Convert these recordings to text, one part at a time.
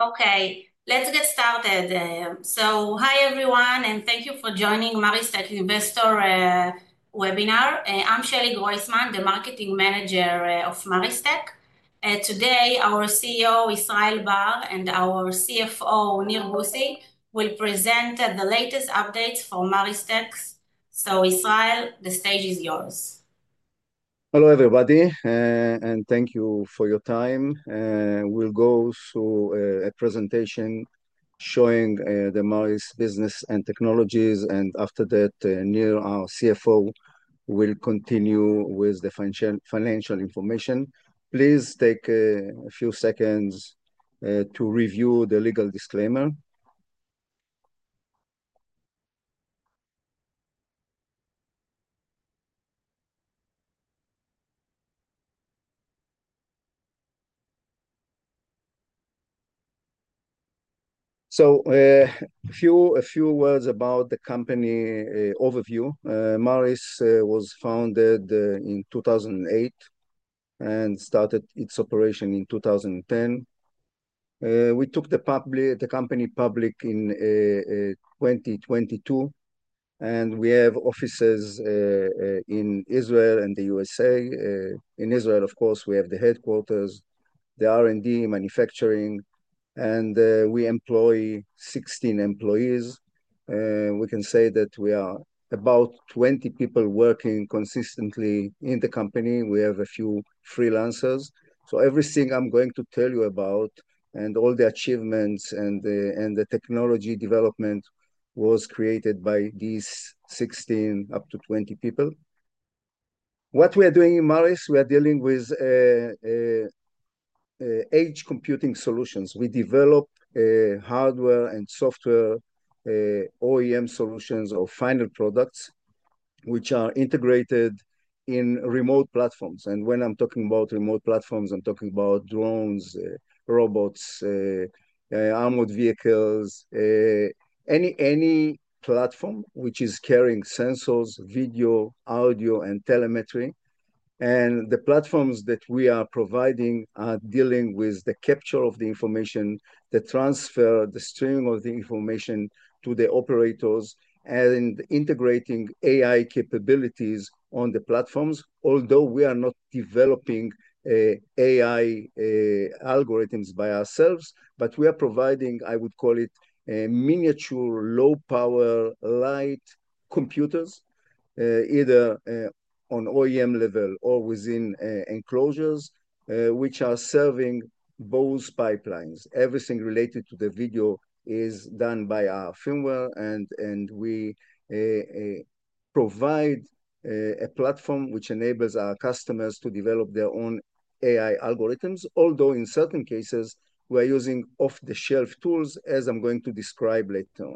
Okay, let's get started. Hi everyone, and thank you for joining the Maris-Tech Investor webinar. I'm Shelly Groisman, the marketing manager of Maris-Tech. Today, our CEO, Israel Bar, and our CFO, Nir Bussy, will present the latest updates for Maris-Tech. Israel, the stage is yours. Hello everybody, and thank you for your time. We'll go through a presentation showing the Maris-Tech business and technologies, and after that, Nir, our CFO, will continue with the financial information. Please take a few seconds to review the legal disclaimer. A few words about the company overview. Maris-Tech was founded in 2008 and started its operation in 2010. We took the company public in 2022, and we have offices in Israel and the US. In Israel, of course, we have the headquarters, the R&D, manufacturing, and we employ 16 employees. We can say that we are about 20 people working consistently in the company. We have a few freelancers. Everything I'm going to tell you about, and all the achievements and the technology development, was created by these 16 up to 20 people. What we are doing in Maris-Tech, we are dealing with edge computing solutions. We develop hardware and software OEM solutions or final products which are integrated in remote platforms. When I'm talking about remote platforms, I'm talking about drones, robots, armored vehicles, any platform which is carrying sensors, video, audio, and telemetry. The platforms that we are providing are dealing with the capture of the information, the transfer, the streaming of the information to the operators, and integrating AI capabilities on the platforms. Although we are not developing AI algorithms by ourselves, we are providing, I would call it, miniature low-power light computers, either on OEM level or within enclosures, which are serving both pipelines. Everything related to the video is done by our firmware, and we provide a platform which enables our customers to develop their own AI algorithms. Although in certain cases, we are using off-the-shelf tools, as I'm going to describe later.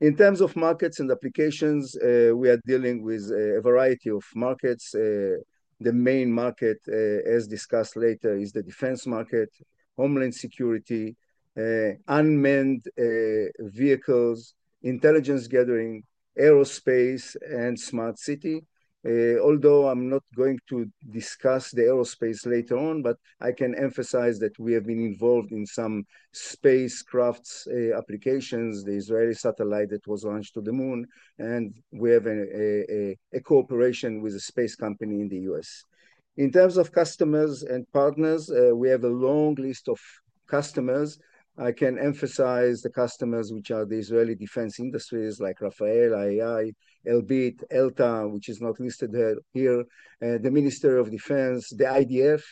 In terms of markets and applications, we are dealing with a variety of markets. The main market, as discussed later, is the defense market, homeland security, unmanned vehicles, intelligence gathering, aerospace, and smart city. Although I'm not going to discuss the aerospace later on, I can emphasize that we have been involved in some spacecraft applications, the Israeli satellite that was launched to the moon, and we have a cooperation with a space company in the US. In terms of customers and partners, we have a long list of customers. I can emphasize the customers which are the Israeli defense industries like Rafael, IAI, Elbit Systems, ELTA Systems, which is not listed here, the Ministry of Defense, the IDF,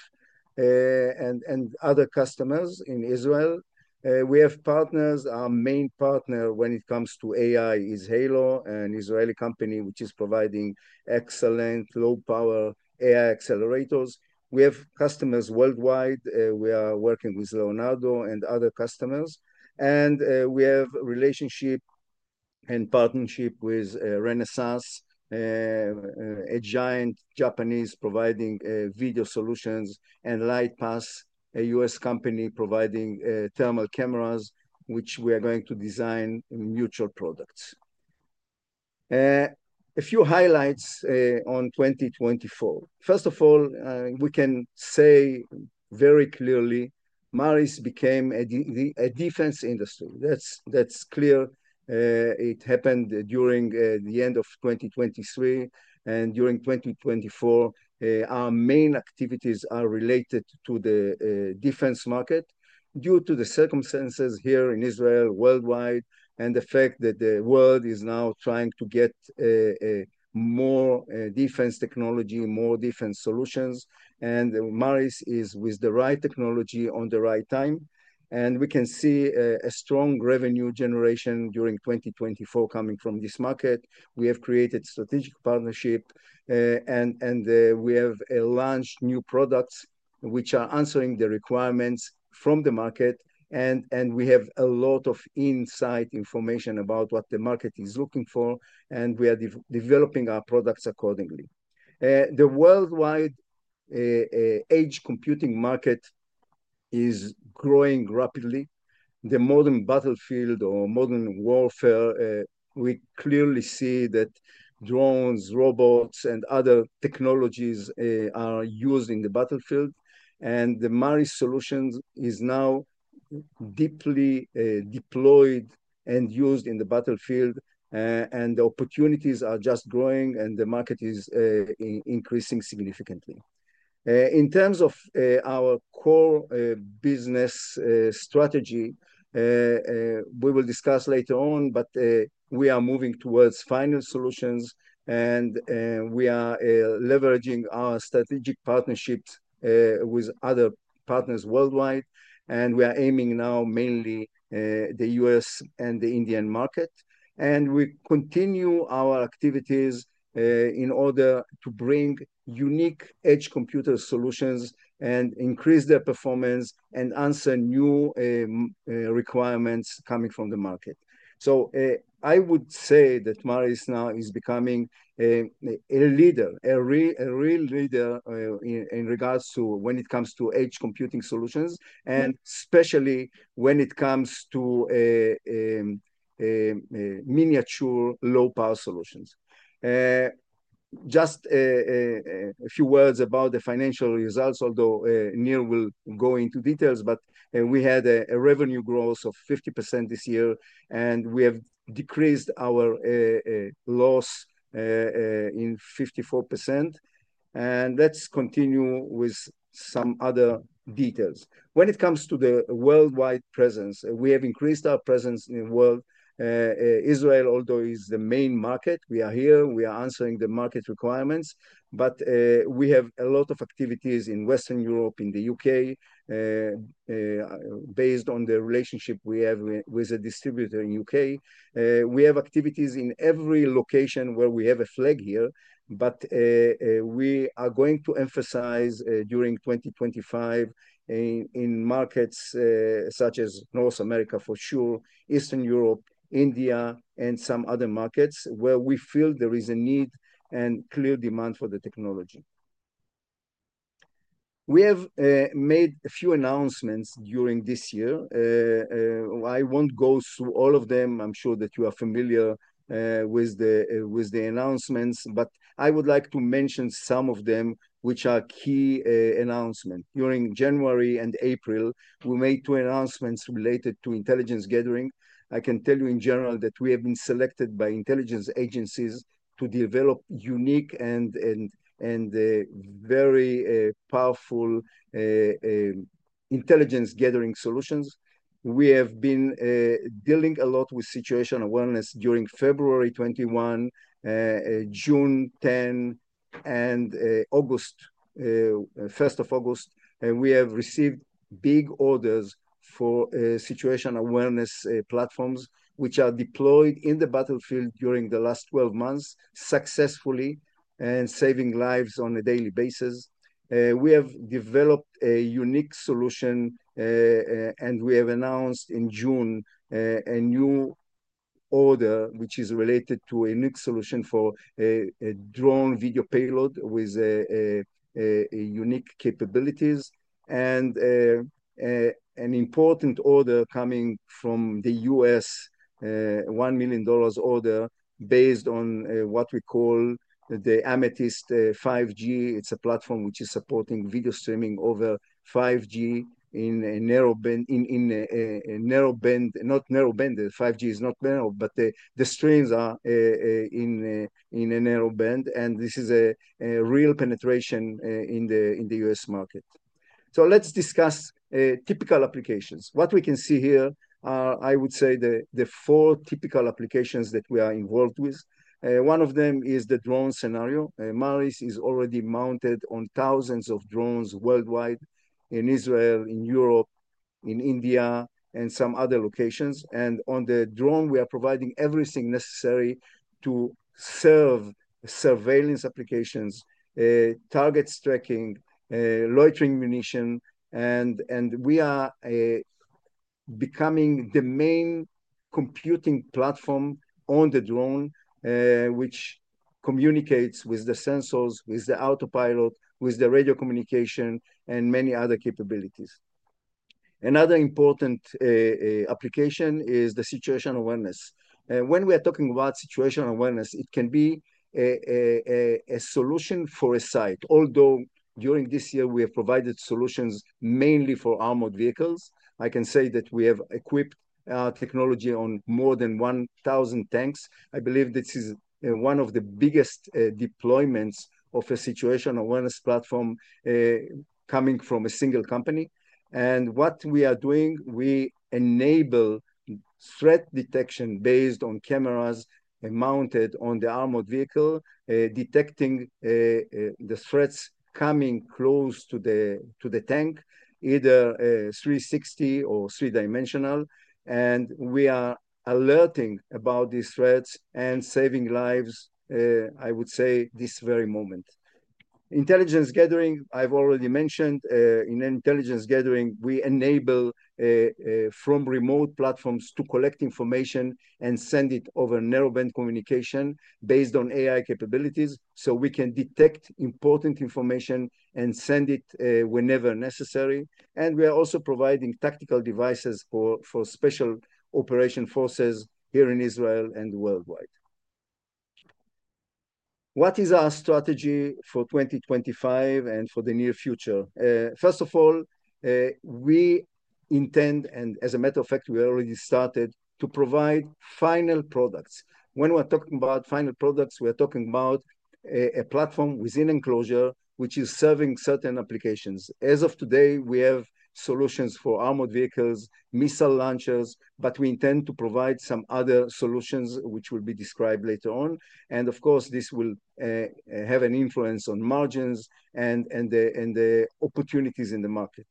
and other customers in Israel. We have partners. Our main partner when it comes to AI is Hailo, an Israeli company which is providing excellent low-power AI accelerators. We have customers worldwide. We are working with Leonardo and other customers. We have a relationship and partnership with Renesas, a giant Japanese providing video solutions, and LightPath, a US company providing thermal cameras, which we are going to design mutual products. A few highlights on 2024. First of all, we can say very clearly, Maris became a defense industry. That is clear. It happened during the end of 2023, and during 2024, our main activities are related to the defense market due to the circumstances here in Israel, worldwide, and the fact that the world is now trying to get more defense technology, more defense solutions, and Maris is with the right technology at the right time. We can see a strong revenue generation during 2024 coming from this market. We have created strategic partnerships, and we have launched new products which are answering the requirements from the market. We have a lot of insight information about what the market is looking for, and we are developing our products accordingly. The worldwide edge computing market is growing rapidly. The modern battlefield or modern warfare, we clearly see that drones, robots, and other technologies are used in the battlefield. The Maris solutions are now deeply deployed and used in the battlefield, and the opportunities are just growing, and the market is increasing significantly. In terms of our core business strategy, we will discuss later on, but we are moving towards final solutions, and we are leveraging our strategic partnerships with other partners worldwide. We are aiming now mainly for the US and the Indian market. We continue our activities in order to bring unique edge computing solutions and increase their performance and answer new requirements coming from the market. I would say that Maris-Tech now is becoming a leader, a real leader in regards to when it comes to edge computing solutions, and especially when it comes to miniature low-power solutions. Just a few words about the financial results, although Nir will go into details, but we had a revenue growth of 50% this year, and we have decreased our loss by 54%. Let's continue with some other details. When it comes to the worldwide presence, we have increased our presence in the world. Israel, although it is the main market, we are here. We are answering the market requirements, but we have a lot of activities in Western Europe, in the U.K., based on the relationship we have with a distributor in the U.K. We have activities in every location where we have a flag here, but we are going to emphasize during 2025 in markets such as North America for sure, Eastern Europe, India, and some other markets where we feel there is a need and clear demand for the technology. We have made a few announcements during this year. I won't go through all of them. I'm sure that you are familiar with the announcements, but I would like to mention some of them which are key announcements. During January and April, we made two announcements related to intelligence gathering. I can tell you in general that we have been selected by intelligence agencies to develop unique and very powerful intelligence gathering solutions. We have been dealing a lot with situation awareness during February 2021, June 10, and August, 1st of August. We have received big orders for situation awareness platforms which are deployed in the battlefield during the last 12 months successfully and saving lives on a daily basis. We have developed a unique solution, and we have announced in June a new order which is related to a unique solution for a drone video payload with unique capabilities. An important order coming from the US, $1 million order based on what we call the Amethyst 5G. It's a platform which is supporting video streaming over 5G in a narrowband, not narrowband. 5G is not narrow, but the streams are in a narrowband, and this is a real penetration in the US market. Let's discuss typical applications. What we can see here are, I would say, the four typical applications that we are involved with. One of them is the drone scenario. Maris-Tech is already mounted on thousands of drones worldwide in Israel, in Europe, in India, and some other locations. On the drone, we are providing everything necessary to serve surveillance applications, target tracking, loitering munition, and we are becoming the main computing platform on the drone which communicates with the sensors, with the autopilot, with the radio communication, and many other capabilities. Another important application is the situation awareness. When we are talking about situation awareness, it can be a solution for a site. Although during this year, we have provided solutions mainly for armored vehicles, I can say that we have equipped our technology on more than 1,000 tanks. I believe this is one of the biggest deployments of a situation awareness platform coming from a single company. What we are doing, we enable threat detection based on cameras mounted on the armored vehicle, detecting the threats coming close to the tank, either 360 or three-dimensional. We are alerting about these threats and saving lives, I would say, this very moment. Intelligence gathering, I have already mentioned. In intelligence gathering, we enable from remote platforms to collect information and send it over narrowband communication based on AI capabilities so we can detect important information and send it whenever necessary. We are also providing tactical devices for special operation forces here in Israel and worldwide. What is our strategy for 2025 and for the near future? First of all, we intend, and as a matter of fact, we already started to provide final products. When we are talking about final products, we are talking about a platform within enclosure which is serving certain applications. As of today, we have solutions for armored vehicles, missile launchers, but we intend to provide some other solutions which will be described later on. Of course, this will have an influence on margins and the opportunities in the market.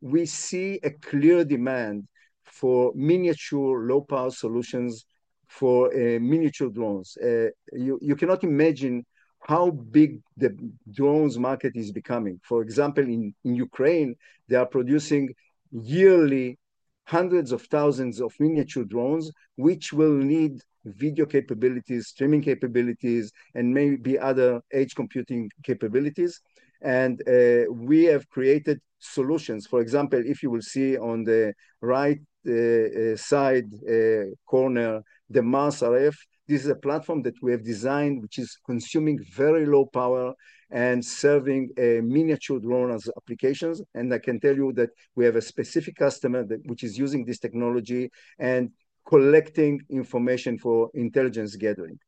We see a clear demand for miniature low-power solutions for miniature drones. You cannot imagine how big the drones market is becoming. For example, in Ukraine, they are producing yearly hundreds of thousands of miniature drones which will need video capabilities, streaming capabilities, and maybe other edge computing capabilities. We have created solutions. For example, if you will see on the right side corner, the Mars-RF, this is a platform that we have designed which is consuming very low power and serving miniature drone applications. I can tell you that we have a specific customer which is using this technology and collecting information for intelligence gathering.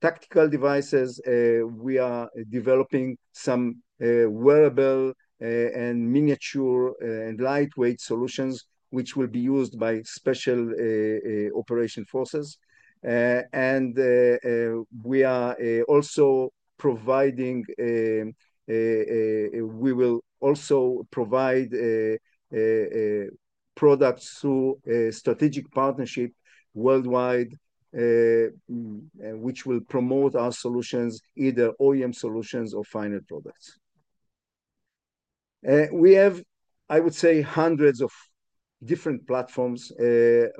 Tactical devices, we are developing some wearable and miniature and lightweight solutions which will be used by special operation forces. We are also providing, we will also provide products through strategic partnership worldwide which will promote our solutions, either OEM solutions or final products. We have, I would say, hundreds of different platforms,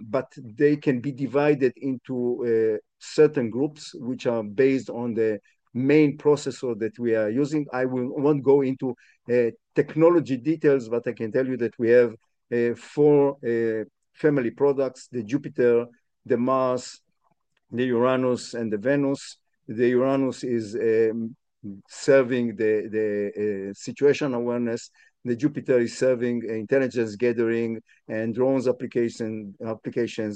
but they can be divided into certain groups which are based on the main processor that we are using. I won't go into technology details, but I can tell you that we have four family products: the Jupiter, the Mars, the Uranus, and the Venus. The Uranus is serving the situation awareness. The Jupiter is serving intelligence gathering and drones applications,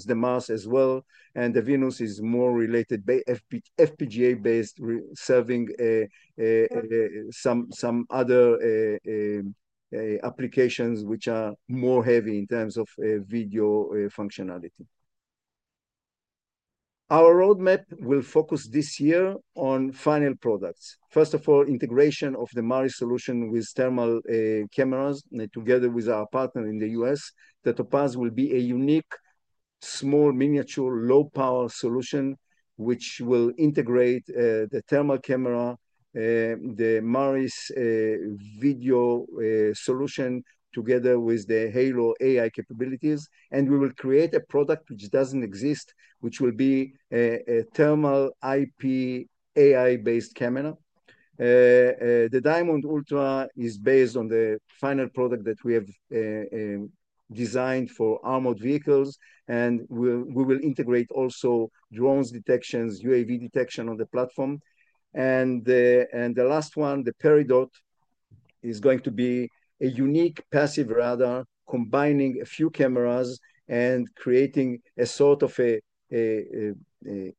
the Mars as well. The Venus is more related, FPGA-based, serving some other applications which are more heavy in terms of video functionality. Our roadmap will focus this year on final products. First of all, integration of the Maris solution with thermal cameras together with our partner in the US, that will be a unique small miniature low-power solution which will integrate the thermal camera, the Maris video solution together with the Hailo AI capabilities. We will create a product which doesn't exist, which will be a thermal IP AI-based camera. The Diamond Ultra is based on the final product that we have designed for armored vehicles, and we will integrate also drones detections, UAV detection on the platform. The last one, the Peridot, is going to be a unique passive radar combining a few cameras and creating a sort of an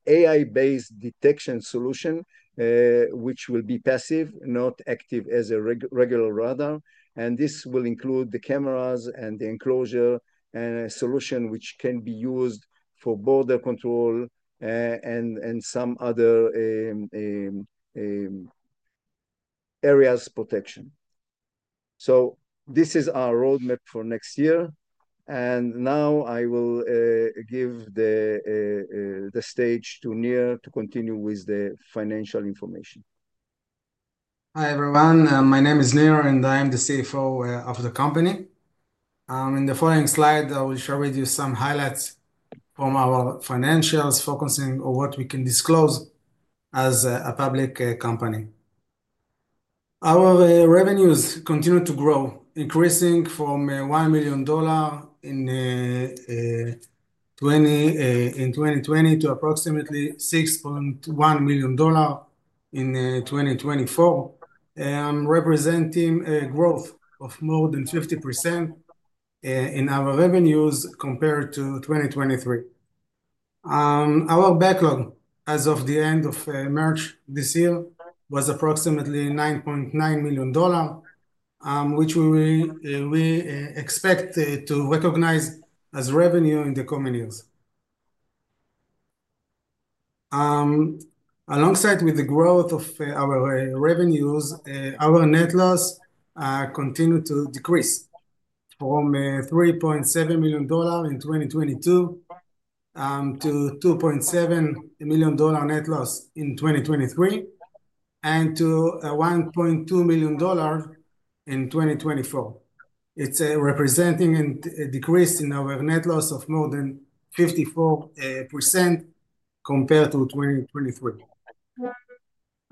AI-based detection solution which will be passive, not active as a regular radar. This will include the cameras and the enclosure and a solution which can be used for border control and some other areas protection. This is our roadmap for next year. Now I will give the stage to Nir to continue with the financial information. Hi everyone. My name is Nir, and I am the CFO of the company. In the following slide, I will share with you some highlights from our financials focusing on what we can disclose as a public company. Our revenues continue to grow, increasing from $1 million in 2020 to approximately $6.1 million in 2024, representing a growth of more than 50% in our revenues compared to 2023. Our backlog as of the end of March this year was approximately $9.9 million, which we expect to recognize as revenue in the coming years. Alongside with the growth of our revenues, our net loss continued to decrease from $3.7 million in 2022 to $2.7 million net loss in 2023 and to $1.2 million in 2024. It's representing a decrease in our net loss of more than 54% compared to 2023.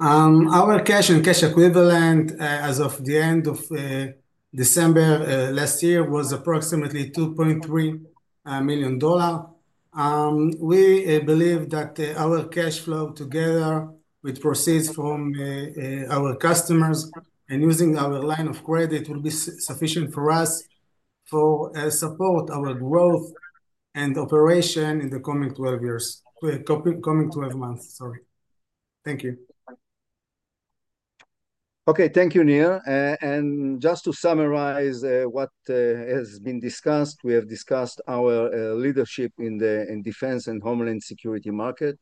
Our cash and cash equivalent as of the end of December last year was approximately $2.3 million. We believe that our cash flow together with proceeds from our customers and using our line of credit will be sufficient for us to support our growth and operation in the coming 12 months. Sorry. Thank you. Okay, thank you, Nir. Just to summarize what has been discussed, we have discussed our leadership in the defense and homeland security market.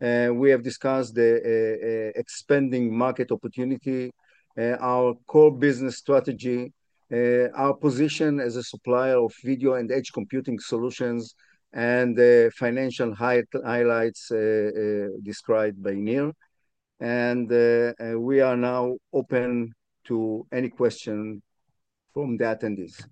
We have discussed the expanding market opportunity, our core business strategy, our position as a supplier of video and edge computing solutions, and financial highlights described by Nir. We are now open to any question from the attendees.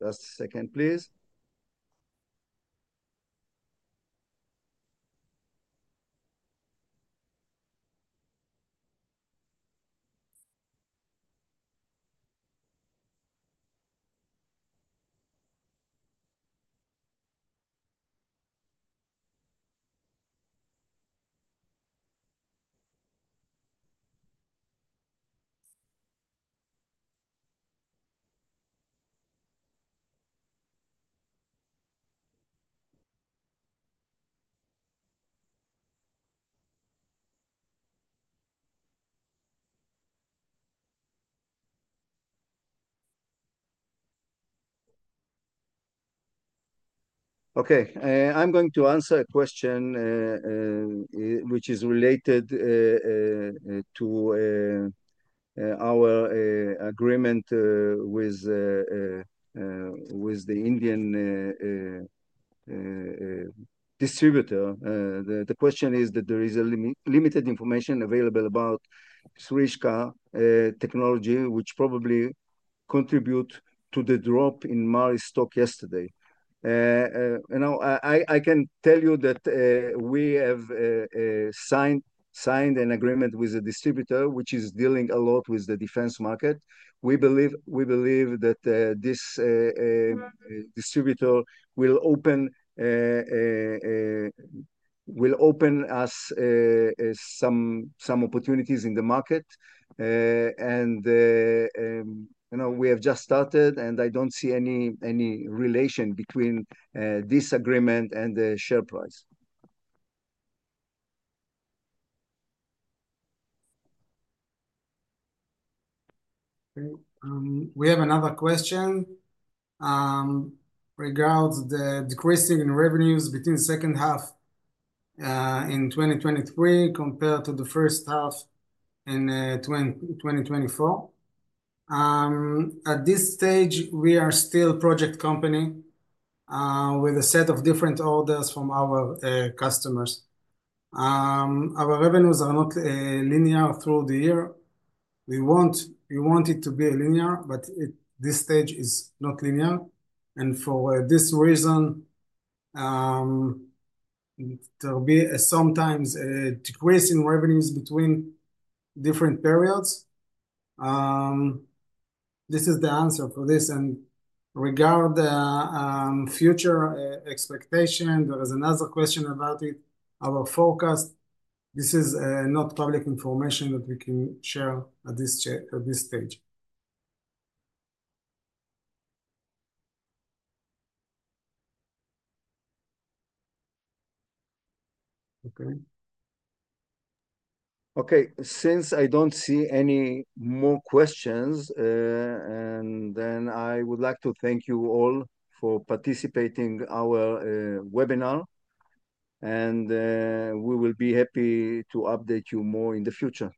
Just a second, please. Okay, I'm going to answer a question which is related to our agreement with the Indian distributor. The question is that there is limited information available about Sreeshka Technology, which probably contributed to the drop in Maris-Tech stock yesterday. I can tell you that we have signed an agreement with a distributor which is dealing a lot with the defense market. We believe that this distributor will open us some opportunities in the market. We have just started, and I don't see any relation between this agreement and the share price. We have another question regarding the decreasing revenues between the second half in 2023 compared to the first half in 2024. At this stage, we are still a project company with a set of different orders from our customers. Our revenues are not linear through the year. We want it to be linear, but at this stage, it is not linear. For this reason, there will be sometimes a decrease in revenues between different periods. This is the answer for this. Regarding future expectations, there is another question about our forecast. This is not public information that we can share at this stage. Okay. Okay, since I don't see any more questions, I would like to thank you all for participating in our webinar, and we will be happy to update you more in the future.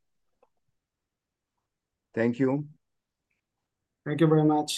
Thank you. Thank you very much.